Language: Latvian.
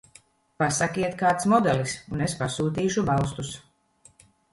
Pasakiet kāds modelis un es pasūtīšu balstus.